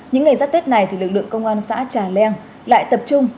những ngày giáp tết này thì lực lượng công an xã trà leng lại tập trung